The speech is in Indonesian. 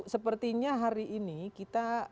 sepertinya hari ini kita